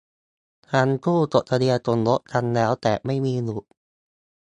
ทั้งคู่จดทะเบียนสมรสกันแล้ว แต่ไม่มีบุตร